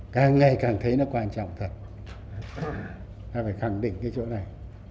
càng ngày càng thấy nó quan trọng thật càng phải khẳng định cái chỗ này